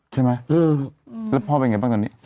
ครับแล้วพ่อเป็นไงบ้างต่อนี้